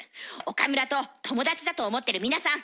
岡村と友達だと思ってる皆さん